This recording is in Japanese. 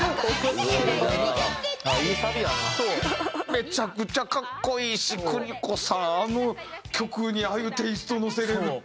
めちゃくちゃ格好いいし邦子さんあの曲にああいうテイスト乗せられるって。